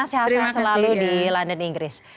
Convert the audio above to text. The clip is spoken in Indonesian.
sehat sehat selalu di london inggris